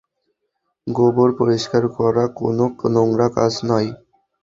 গোবর পরিস্কার করা কোনও নোংরা কাজ নয়।